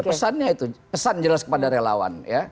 pesannya itu pesan jelas kepada relawan